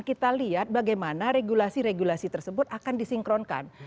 kita lihat bagaimana regulasi regulasi tersebut akan disinkronkan